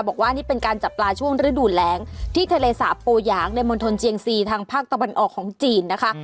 บอกว่านี่เป็นการจับปลาช่วงฤดูแรงที่ทะเลสาปโปหยางในมณฑลเจียงซีทางภาคตะวันออกของจีนนะคะ